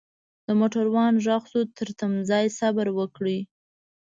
دموټروان ږغ شو ترتمځای صبروکړئ.